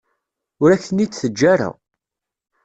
Ur ak-ten-id-teǧǧa ara.